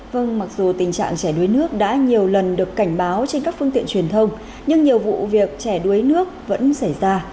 vâng mặc dù tình trạng trẻ đuối nước đã nhiều lần được cảnh báo trên các phương tiện truyền thông nhưng nhiều vụ việc trẻ đuối nước vẫn xảy ra